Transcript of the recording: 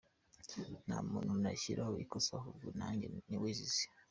Nta muntu nashyiraho ikosa, ahubwo ninjye wizize.